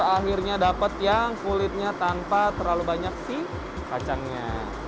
akhirnya dapat yang kulitnya tanpa terlalu banyak si kacangnya